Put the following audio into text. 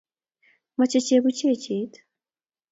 Mache chebuchechet